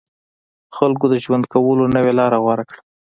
خلکو د ژوند کولو نوې لاره غوره کړه.